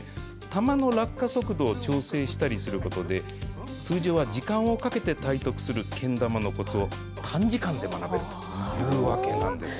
玉の落下速度を調整したりすることで、通常は時間をかけて体得するけん玉のこつを、短時間で学べるというわけなんです。